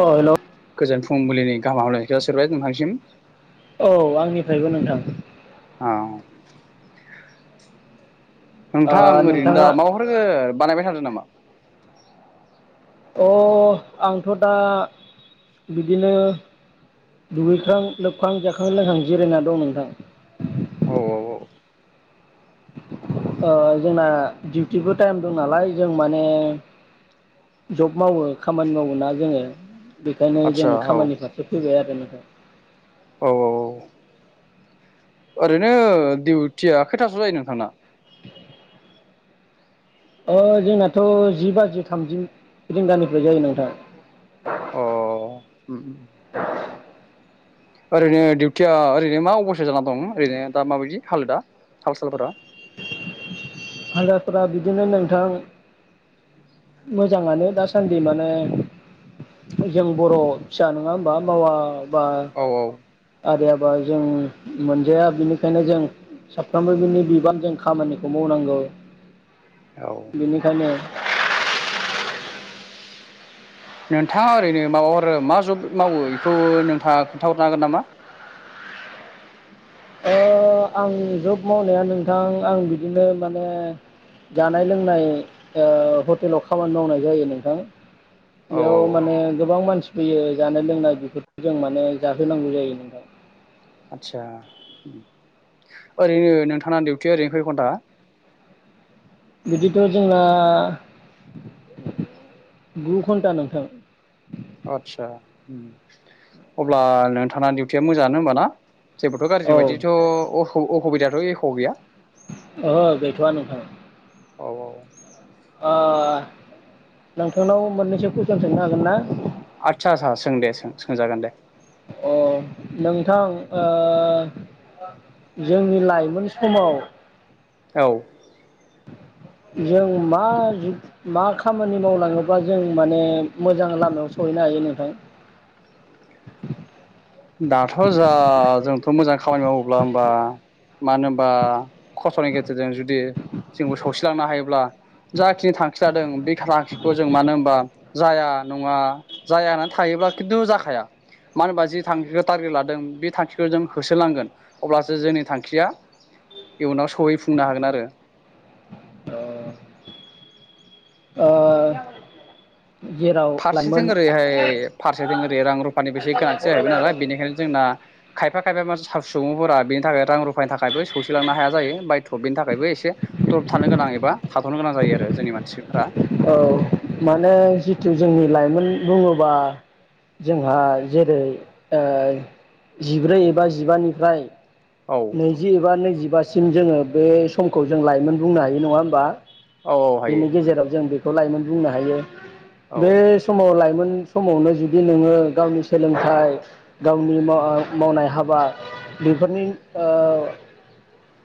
औ हेलौ गोजोन फुंबिलिनि गाहाम हामलायनायखौ जासि हरबाय नोंथांसिम औ आंनिफ्रायबो नोंथां औ नोंथां ओ ओरैनो दा नोंथाङा माबाफोरो बानायबाय थादो नामा अ आंथ' दा बिदिनो दुगैख्रां लोबखां जाखां लोंहां जिरायना दं नोंथां औ औ औ ओ जोंना डिउटिबो टाइम दं नालाय जों माने जब मावो खामानि मावो ना जोङो बेखायनो जों आदसा औ खामानि फारसे फैबाय आरोनो [inaudible] औ औ औ ओरैनो डिउटिया खैथासोआव जायो नोंथांना? ओ जोंनाथ' जि बाजि थामजि रिंगानिफ्राय जायो नोंथां अ ओरैनो डिउटिया ओरैनो मा अबस्थायाव जाना दं ओरैनो दा माबायदि हालोदा हाल सालफोरा हालोदफोरा‌ बिदिनो नोंथां मोजाङानो दासान्दि माने जों बर' फिसा नङा होमबा मावा बा औ आदाया बा जों मोनजाया बिनिखायनो जों साफ्रोमबो बिनि बिबान जों खामानिखौ मावनांगौ [inaudible] औ बिनिखायनो नोंथाङा ओरैनो माबाफोरो मा जब मावो एखौ नोंथाङा खोन्थाहरनो हागोन नामा? ओ आं जब मावनाया नोंथां आं बिदिनो माने जानाय लोंनाय ओ हटेलाव खामानि मावनाय जायो नोंथां औ बेयाव औ माने गोबां मानसि फैयो जानाय लोंनाय बेफोरखौ जों माने जाहोनांगौ जायो नोंथां आदसा ओरैनो नोंथांना दिउटिया ओरैनो खै घन्टा बिदिथ' जोंना गु घन्टा नोंथां आतसा उम अब्ला नोंथांना दिउटिया मोजाङानो होनबा ना? जेबोथ' गारजि औ बायदिथ' अ अ अखबिदाथ' एख' गैया? ओहो गैथ'आ नोंथां। औ औ। ओ नोंथांनाव मोननैसो कुइसन सोंनो हागोन ना? आदसा सा सों दे सों सोंजागोन दे। अ नोंथां ओ जोंनि लाइमोन समाव औ। जों मा मा खामानि मावलाङोबा जों माने मोजां लामायाव सहैनो हायो नोंथां? दाथ' जा जोंथ' मोजां खामानि मावोब्ला होनबा मानो होनबा खस्थ'नि गेजेरजों जुदि जोंबो सौसिलांनो हायोब्ला जाखिनि थांखि लादों बे थांखिखौ जों मानो होनबा जाया नङा जाया होननानै थायोब्ला खिन्थु जाखाया मानो होनबा जि थांखिखौ थारगेट लादों बे थांखिखौ जों होसोलांगोन अब्लासो जोंनि थांखिया इयुनाव सहैफुंनो हागोन आरो। ओ। जेराव लाइमोन फारसेथिं ओरैहाय फारसेथिं ओरै रां रुफानिबो एसे गोनांथि जाहैबाय नालाय बेनिखायनो जोंना खायफा खायफा [unintelligible] सुबुंफोरा बेनि थाखाय रां रुफानि थाखायबो सौसिलांनो हाया जायो बायथ' बेनि थाखायबो एसे द्रब थानो गोनां एबा थाथ'नो गोनां जायो आरो जोंनि मानसिफोरा। औ माने जि जि जोंनि लाइमोन बुङोबा जोंहा जेरै ओ जिब्रै एबा जिबानिफ्राय औ नैजि एबा नैजिबा सिम जोङो बे समखौ जों लाइमोन बुंनो हायो नङा होमबा? औ औ हायो बेनि गेजेराव जों बे खौ लाइमोन बुंनो हायो। बे औ समाव लाइमोन समावनो जुदि नोङो गावनि सोलोंथाइ गावनि मा मावनाय हाबा बेफोरनि ओ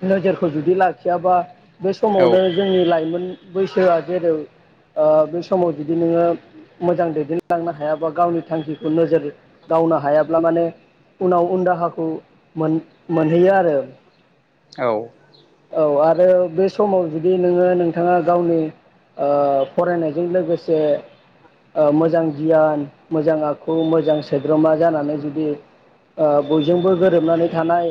नोजोरखौ जुदि लाखियाबा बे औ समावनो जोंनि लाइमोन बैसोया जेरै ओ बे समाव जुदि नोङो मोजां दैदेनलांनो हायाबा गावनि थांखिखौ नोजोर गावनो हायाब ब्ला माने उनाव उन दाहाखौ मोन मोनहैयो आरो। औ। औ आरो बे समाव जुदि नोङो नोंथाङा गावनि ओ फरायनायजों लोगोसे ओ मोजां गियान मोजां आखु मोजां सोद्रोमा जानानै जुदि ओ बयजोंबो गोरोबनानै थानाय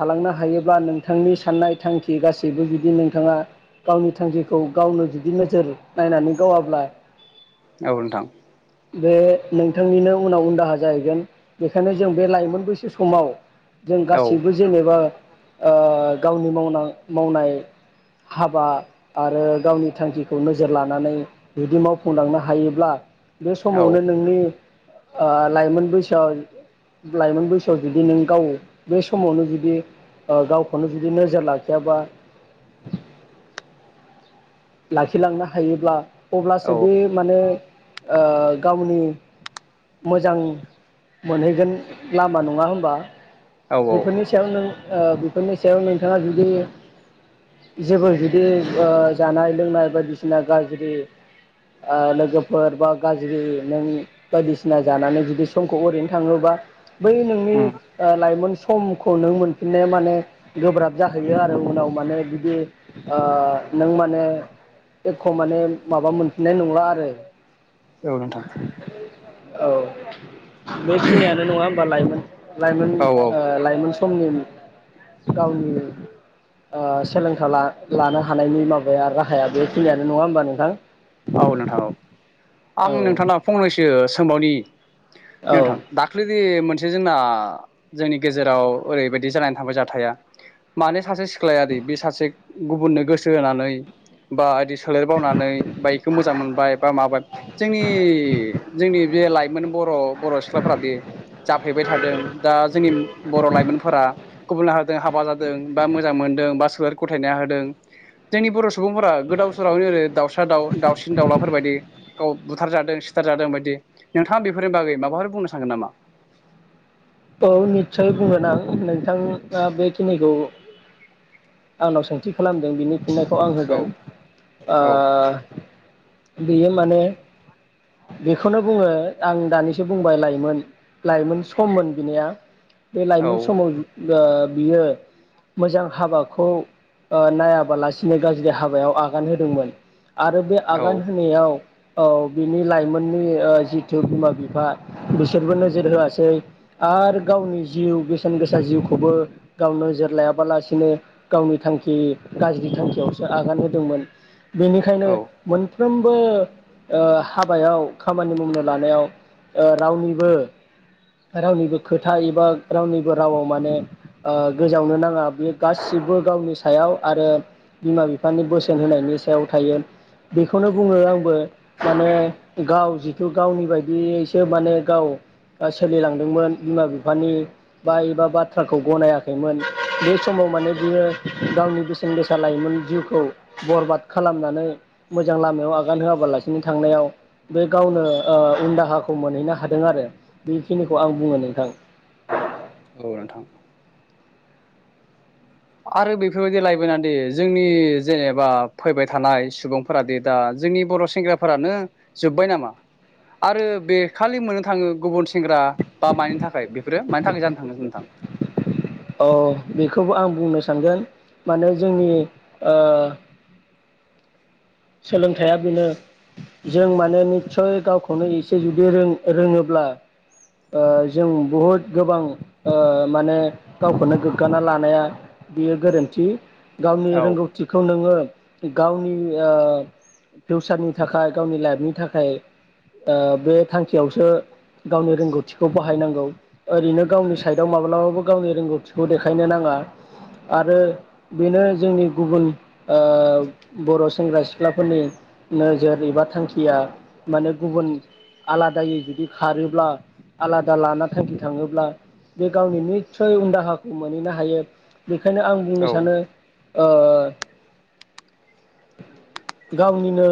थालांनो हायोब्ला नों थांनि साननाय थांखि गासैबो जुदि नोंथाङा गावनि थांखिखौ गावनो जुदि नोजोर नायनानै गावाब्ला औ नोंथां। बे नोंथांनिनो उनाव उन दाहा जाहैगोन बेखायनो जों बे लाइमोन बैसो समाव जों औ गासैबो जेनेबा ओ गावनि मावनां मावनाय हाबा आरो गावनि थांखिखौ नोजोर लानानै जुदि मावफुंलांनो हायोब्ला बे औ समावनो नोंनि आ लाइमोन बैसोया लाइमोन बैसोआव जुदि नों गाव बे समावनो जुदि ओ गावखौनो जुदि नोजोर लाखियाबा लाखिलांनो हायोब्ला अब्लासो औ बे माने आ गावनि मोजां मोनहैगोन लामा नङा होमबा? औ औ बेफोरनि सायाव नों ओ फोरनि सायाव नोंथाङा जुदि जेबो जुदि ओ जानाय लोंनाय बायदिसिना गाज्रि आ लोगोफोर बा गाज्रि नों बायदिसिना जानानै जुदि समखौ ओरैनो थांहोबा बै नोंनि उम ओ लाइमोन समखौ नों मोनफिननाया माने गोब्राब जाहैयो आरो उनाव माने बिदि आ नों माने एख' माने माबा मोनफिननाय नंला आरो। औ नोंथां औ। [inaudible] बेखिनियानो नङा होमबा लाइमोन लाइमोन औ औ ओ लाइमोन समनि उम गावनि ओ सोलोंथा ला लानो हा हानायनि माबाया राहाया बेखिनियानो नङा होमबा नोंथां? औ नोंथां औ। आं औ नोंथांनाव फंनैसो सोंबावनि औ नोंथां दाख्लैदि मोनस जोंना जोंनि गेजेराव ओरैबायदि जानानै थांबाय जाथाया। माने सासे सिख ख्लायादि बे सासे गुबुननो गोसो होनानै बा बिदि सोलेर बावनानै बाइक खौ मोजां मोनबाय बा माबाय जोंनि जोंनि बे लाइमोन बर' बर' सिख्लाफोरादि जाफ्लेबाय थादों दा जोंनि बर' लाइमोनफोरा गुबुन हारिजों हाबा जादों बा मोजां मोनदों बा सोलेर ग'थायना होदों जोंनि बर' सुबुंफोरा गोदाव सोरावनो जेरै दाउस्रा दाउ दाउ दावसिन दावउलाफोर बायदि गाव बुथारजादों सिथारादों बायदि नोंथाङा बेफोरनि बागै माबाफोर बुंनो सानो नामा? औ निटसय बुंगोन आं नोंथाङा बेखिनिखौ आंनाव सोंथि खालामदों बिनि फिनायखौ आं औ होगोन। ओ औ बेयो माने बेखौनो बुङो आं दानिसो बुंबाय लाइमोन लाइमोन सममोन बिनिया बे औ लाइमोन समाव ओ बियो मोजां हाबाखौ नायाबालासिनो गाज्रि हाबायाव आगान होदोंमोन आरो बे औ आगान होनायाव औ बिनि लाइमोननि ओ जिथु बिमा बिफा बिसोरबो नोजोर होआसै आरो गावनि जिउ बेसेन गोसा जिउखौबो गाव नोजोर लायाबालासिनो गावनि थांखि गाज्रि थांखियावसो आगान होदोंमोन बेनिखायनो औ मोन फ्रोमबो ओ हाबायाव खामानि मावनो लानायाव ओ रावनिबो रावनिबो खोथा एबा रावनिबो रावाव माने ओ गोजावनो नाङा बेयो गासिबो गावनि सायाव आरो बिमा बिफानि बोसोन होनायनि सायाव थायो बेखौनो बुङो आंबो माने गाव जिथु गावनि बायदियैसो माने गाव सोलिलां [unintelligible] बिमा बिफानि बा एबा बाथ्राखौ गनायाखैमोन बे समाव माने बियो गावनि बेसेन गोसा लाइमोन जिउखौ बरबाद खालामनानै मोजां लामायाव आगान होआबालासिनो थांनायाव बे गावनो उन दाहाखौ मोनहैनो हादों आरो बेखिनिखौ खौ आं बुङो नोंथां औ नोंथां आरो बेफोरबायदि लायमोनानो जोंनि जेनेबा फैबाय थानाय सुबुंफोरादे दा जोंनि बर' सेंग्राफोरानो जोब्बाय नामा आरो बे खालि मोननो थाङो गुबुन सेंग्रा बा मानि थाखाय बेफोरो मानि थाखाय जानो थाङो नोंथां? औ बेखौबो आं बुंनो सानगोन माने जोंनि ओ सोलोंथाइया बेनो जों माने निस्सय गावखौनो एसे जुदि रोङोब्ला ओ जों बहुद गोबां ओ माने गावखौनो गोग्गाना लानाया बियो गोरोन्थि गावनि औ रोंगौथिखौ नोङो गावनि ओ फिउसारनि थाखाय गावनि लाइफनि थाखाय बे थांखियावसो गावनि रोंगौथिखौ बाहा बाहायनांगौ ओरैनो गावनि साइडआव माब्लाबाबो गावनि रोंगौथिखौ देखायनो नाङा आरो बेनो जोंनि गुबुन बर' सेंग्रा सिख्लाफोरनि नोजोर एबा थांखिया माने गुबुन आलादायै जुदि खारोब्ला आलादा लाना थांखि थाङोब्ला बे गावनि निसय उन्दाहाखौ मोनहैनो हायो बेखायनो आं बुंनो औ सानो ओ गावनिनो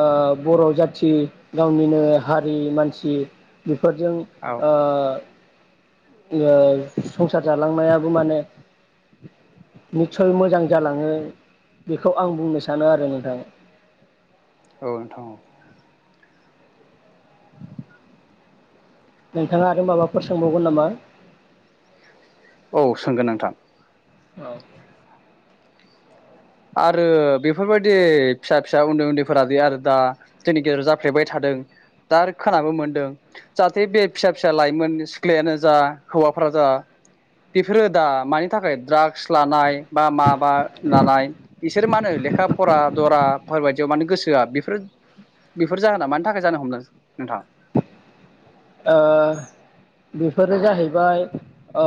ओ बर' जाथि गावनिनो हारिनि मानसि फोरजों औ ओ ओ संसार जालांनायाबो माने निस्सय मोजां जालाङो बेखौ आं बुंनो सानो आरो नोंथां औ नोंथां औ नोंथाङा आरो माबाफोर सोंबावगोन नामा? औ सोंगोन नोंथां औ आरो बेफोरबायदि फिसा फिसा उन्दै उन्दैफोरादि आरो दा जोंनि गेजेराव जाफ्लेबाय थादों दा आरो खोनाबो मोनदों जाहाथे बे फिसा फिसा लाइमोन सिख्लायानो जा हौवाफोरा जा बेफोरो दा मानि थाखाय द्राग्स लानाय बा माबा लानाय इसोर मा होनो लेखा फरा दराफोरबायदियाव मानोे गोसोहोआ बेफोर बेफोर जाहोना मानि थाखाय जानो हमदों नोंथां ओ बेफोरो जाहैबाय ओ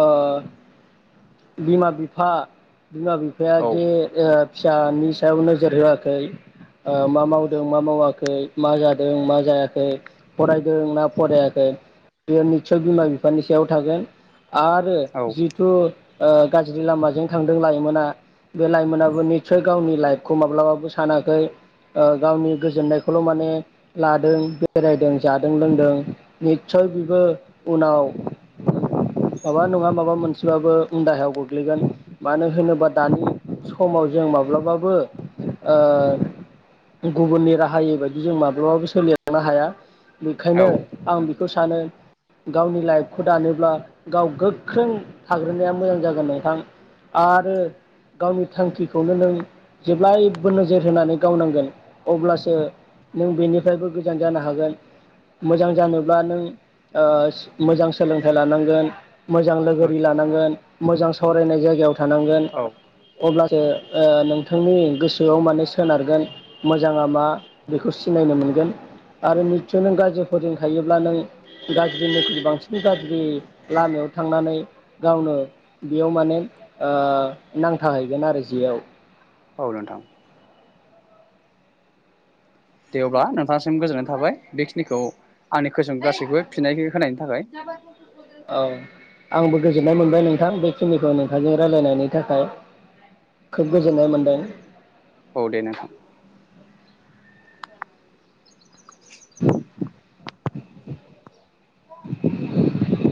बिमा बिफा बिमा बिफाया औ जे ओ फिसानि सायाव नोजोर होआखै ओ मा मावदों मा मावाखै मा जादों मा जायाखै फरायदों ना फराया खै बियो निससय बिमा बिफानि सायाव थागोन आरो जिथु ओ गाज्रि लामाजों थांदों लाइमोना बे लाइमोनाबो निस्सय गावनि लाइफखौ माब्लाबाबो सानाखै ओ गावनि गोजोननायखौल' माने लादों बेरायदों जादों लोंदों निस्सय बेबो उनाव माबा नङा माबा मोनसेबाबो उन दाहायाव गोग्लैगोन मानो होनोबा दानि समाव जों माब्लाबाबो ओ गुबुननि राहायै बायदि जों माब्लाबाबो सोलिलांनो हाया नोंखायनो औ औ बेखौ सानो गावनि लाइफखौ दानोब्ला गाव गोख्रों थाग्रोनाया मोजां जागोन नोंथां आरो गावनि थांखिखौनो नों जेब्लायबो नोजोर होनानै गावनांगोन अब्लासो नों बेनिफ्रायबो गोजान जानो हागोन मोजां जानोब्ला नों ओ मोजां सोलोंथाइ लानांगोन मोजां लोगोरि नोंथां लानांगोन मोजां सावरायनाय जायगायाव थानांगोन औ अब्ला जो ओ नोंथांनि गोसो सोआव माने सोनारगोन मोजाङा मा बेखौ सिनायनो मोनगोन आरो निस्सय नों गाज्रिफोरजों थायोब्ला नों गाज्रिनिख्रुइ बांसिन गाज्रि लामायाव थांनानै गावनो बेयाव माने ओ नांथाहैगोन आरो जेयाव औ नोंथां दे अबा नोंथांसिम गोजोननाय थाबाय बेखिनिखौ आंनि खोसोम गासैखौबो फिननायनि होनायनि थाखाय [unintelligible] औ आंबो गोजोननाय मोनबाय नोंथां बे खिनिखौ नोंथाजों रायलायनायनि थाखाय खोब गोजोननाय मोनदों। औ दे नोंथां [inaudible] [inaudible] [unintelligible]